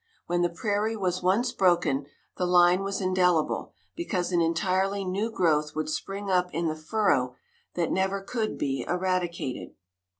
When the prairie was once broken, the line was indelible, because an entirely new growth would spring up in the furrow that never could be eradicated.